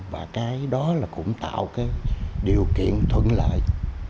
và cái đó là cũng tạo cái điều kiện thuận lợi